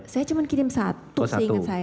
saya cuma kirim satu sih ingat saya